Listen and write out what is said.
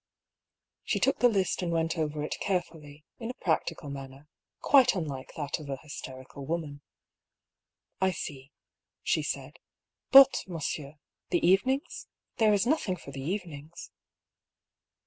She took the list and went over it carefully, in a practical manner, quite unlike that of a hysterical woman. "I see," she said. "But, monsieur, the evenings? There is nothing for the evenings."